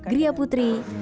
gria putri ibu ibu